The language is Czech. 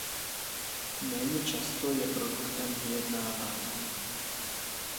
Méně často je produktem vyjednávání.